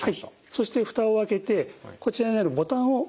そして蓋を開けてこちらにあるボタンを押す。